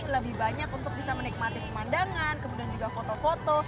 lebih banyak untuk bisa menikmati pemandangan kemudian juga foto foto